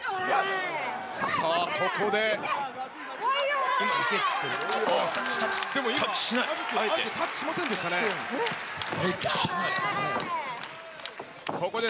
さあ、ここで。